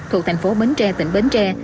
thuộc thành phố bến tre tỉnh bến tre